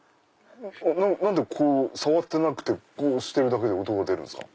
何で触ってなくてこうしてるだけで音が出るんですか？